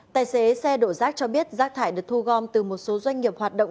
tài xế xe đổ rác cho biết rác thải được thu gom từ một số doanh nghiệp hoạt động